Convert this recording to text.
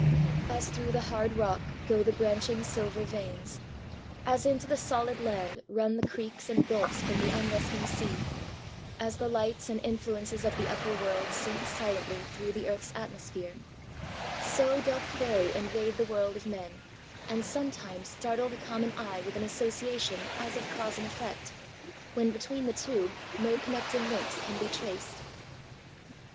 As through the hard rock go the branching silver veins; as into the solid land run the creeks and gulfs from the unresting sea; as the lights and influences of the upper worlds sink silently through the earthãs atmosphere; so doth Faerie invade the world of men, and sometimes startle the common eye with an association as of cause and effect, when between the two no connecting links can be traced.